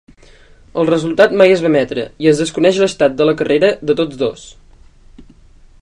El resultat mai es va emetre, i es desconeix l'estat de la carrera de tots dos.